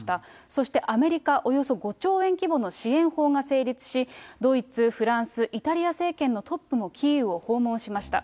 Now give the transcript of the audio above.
そして、アメリカ、およそ５兆円規模の支援法が成立し、ドイツ、フランス、イタリア政権のトップもキーウを訪問しました。